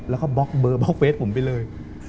แล้วก็บล็อกเบอร์บล็อกเฟสผมไปเลย